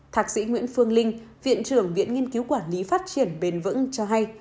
thạc sĩ nguyễn phương linh viện trưởng viện nghiên cứu quản lý phát triển bền vững cho hay